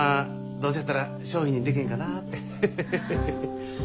どうせやったら商品にでけへんかなぁてヘヘヘヘ。